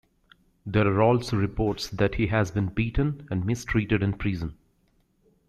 There are also reports that he has been beaten and mistreated in prison.